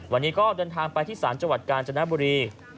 วันนี้ก็เดินทางไปที่ศาลจังหวัดกาญจนบุรี